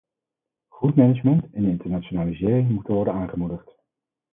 Goed management en internationalisering moeten worden aangemoedigd.